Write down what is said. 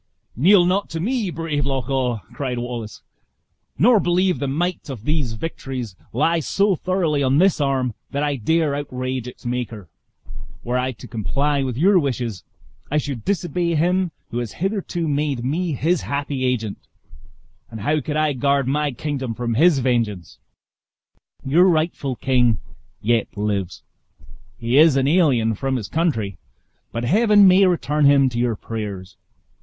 "Kneel not to me, brave Loch awe!" cried Wallace; "nor believe the might of these victories lies so thoroughly on this arm that I dare outrage its Maker. Were I to comply with your wishes, I should disobey him who has hitherto made me his happy agent; and how could I guard my kingdom from his vengeance? Your rightful king yet lives; he is an alien from his country, but Heaven may return him to your prayers.